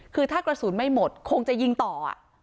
คือถ้ากระสุนไม่หมดคงจะยิงต่อ